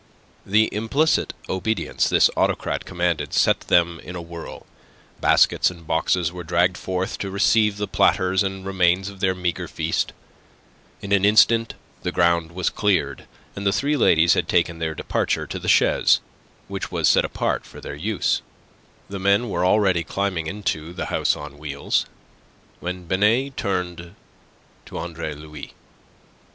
The implicit obedience this autocrat commanded set them in a whirl. Baskets and boxes were dragged forth to receive the platters and remains of their meagre feast. In an instant the ground was cleared, and the three ladies had taken their departure to the chaise, which was set apart for their use. The men were already climbing into the house on wheels, when Binet turned to Andre Louis.